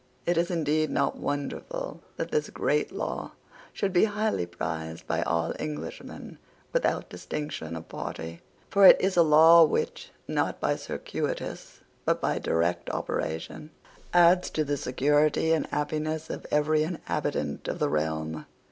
It is indeed not wonderful that this great law should be highly prized by all Englishmen without distinction of party: for it is a law which, not by circuitous, but by direct operation, adds to the security and happiness of every inhabitant of the realm.